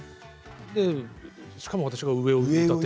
しかも私が上を歌って。